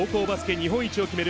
日本一を決める